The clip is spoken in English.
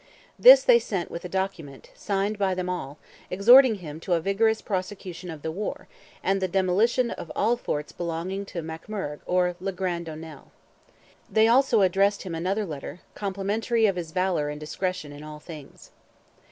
This they sent with a document, signed by them all, exhorting him to a vigorous prosecution of the war, and the demolition of all forts belonging to "MacMourgh [or] le grand O'Nel." They also addressed him another letter, complimentary of his valour and discretion in all things.